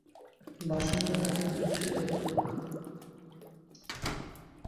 বসন্ত তাদের বিকৃত করুক!